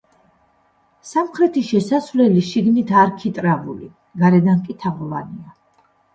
სამხრეთი შესასვლელი შიგნით არქიტრავული, გარედან კი თაღოვანია.